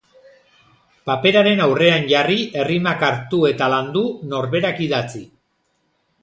Paperaren aurrean jarri, errimak hartu eta landu, norberak idatzi.